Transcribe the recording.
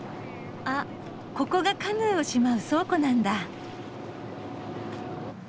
あここがカヌーをしまう倉庫なんだ。